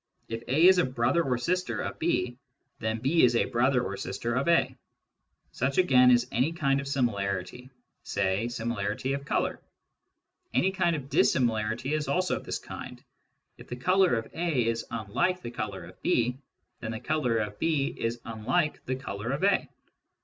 If A is a brother or sister then B is a brother or sister of A. Such again kind of similarity, say similarity of colour. Any k dissimilarity is also of this kind : if the colour oj unlike the colour of B, then the colour of B is the colour of A.